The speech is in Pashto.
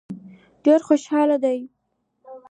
ډېر خوشاله دي.